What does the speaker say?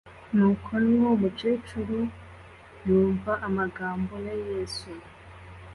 Nuko nwo mucyecuru yumva amagambo ya Yesu